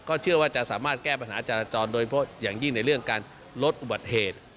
เชื่อว่าจะสามารถแก้ปัญหาจราจรโดยเฉพาะอย่างยิ่งในเรื่องการลดอุบัติเหตุ